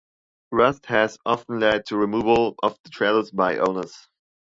Rust has often led to removal of the trellis by owners.